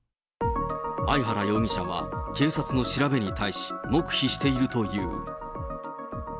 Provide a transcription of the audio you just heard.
相原容疑者は警察の調べに対し、黙秘しているという。